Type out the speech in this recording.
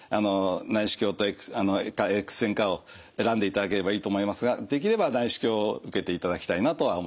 内視鏡とエックス線かを選んでいただければいいと思いますができれば内視鏡を受けていただきたいなとは思います。